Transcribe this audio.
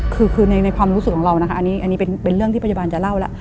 คือคือในความรู้สึกของเรานะคะอันนี้เป็นเรื่องที่พยาบาลจะเล่าแล้ว